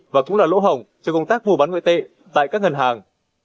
và cũng là lỗ hỏng cho công tác mua bán ngoại tệ tại các ngân hàng